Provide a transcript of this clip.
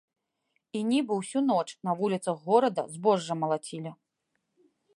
І нібы ўсю ноч на вуліцах горада збожжа малацілі.